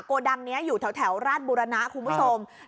โกดังนี้อยู่แถวราชบุรณะคุณผู้ชม